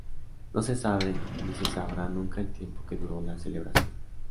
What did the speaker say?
No se sabe, ni se sabrá nunca el tiempo que duró la celebración.